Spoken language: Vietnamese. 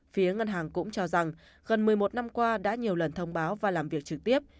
phía ngân hàng cũng cho rằng gần một mươi một năm qua đã nhiều lần thông báo và làm việc trực tiếp